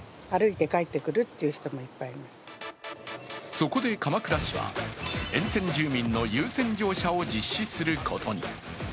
そこで鎌倉市は沿線住民の優先乗車を実施することに。